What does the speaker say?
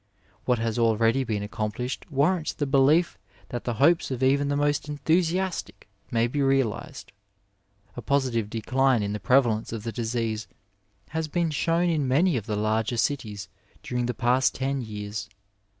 What has already been accomplished warrants the belief that the hopes of even the most enthusiastic may be realized. A positive decline in the prevalence of the disease has been shown in many of the larger cities during the past ten years.